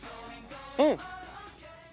うん！